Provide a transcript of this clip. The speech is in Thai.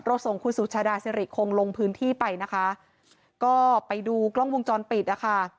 ส่งคุณสุชาดาสิริคงลงพื้นที่ไปนะคะก็ไปดูกล้องวงจรปิดนะคะ